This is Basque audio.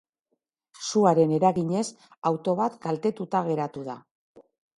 Suaren eraginez auto bat kaltetuta geratu da.